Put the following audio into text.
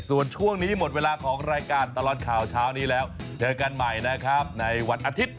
ส่วนช่วงนี้หมดเวลาของรายการตลอดข่าวเช้านี้แล้วเจอกันใหม่นะครับในวันอาทิตย์